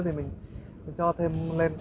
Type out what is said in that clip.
xin chào các bạn